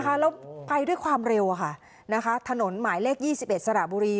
นะคะแล้วไปด้วยความเร็วค่ะนะคะถนนหมายเลขยี่สิบเอ็ดสระบุรี